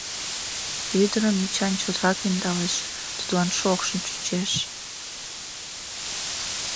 Ӱдырым Эчан чотрак ӧндалеш, тудлан шокшын чучеш.